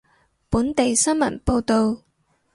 本地新聞報道